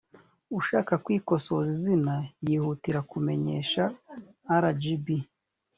ushaka kwikosoza izina yihutira kumenyesha rgb